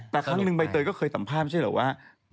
แต่ครั้งหนึ่งใบเตยก็เคยสัมภาษณ์ใช่เหรอว่า